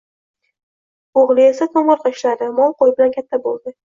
Oʻgʻli esa tomorqa ishlari, mol-qoʻy bilan katta boʻldi